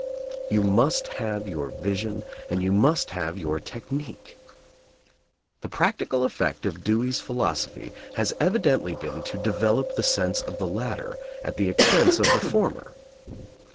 You must have your vision and you must have your technique. The practical effect of Dewey's phi losophy has evidently been to develop the sense of the latter at the expense of the former.